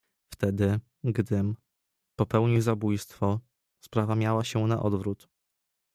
"Wtedy, gdym, popełnił zabójstwo, sprawa miała się na odwrót."